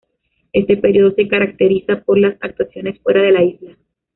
Este período se caracteriza por las actuaciones fuera de la isla.